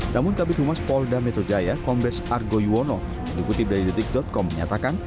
namun kabupaten rumah spolda metro jaya kompes argo yuwono yang diikuti dari detik com menyatakan